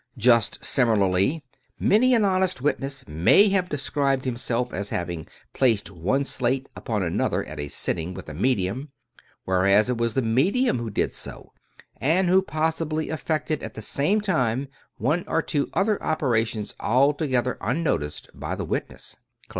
Just similarly, many an honest witness may have described him self as having placed one slate upon another at a sitting with a medium, whereas it was the medium who did so, and who possibly effected at the same time one or two other operations altogether unnoticed by the witness."